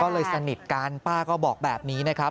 ก็เลยสนิทกันป้าก็บอกแบบนี้นะครับ